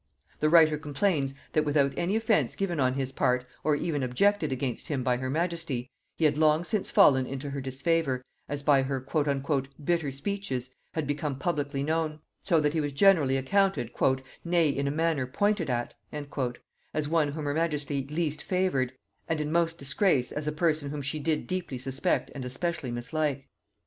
The writer complains, that without any offence given on his part, or even objected against him by her majesty, he had long since fallen into her disfavor, as by her "bitter speeches" had become publicly known; so that he was generally accounted, "nay in a manner pointed at," as one whom her majesty least favored, and in most disgrace as a person whom she did deeply suspect and especially mislike."